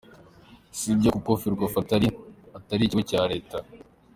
Si byo kuko Ferwafa atari atari ikigo cya leta.